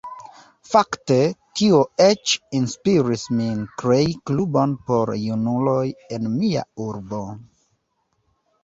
Fakte tio eĉ inspiris min krei klubon por junuloj en mia urbo.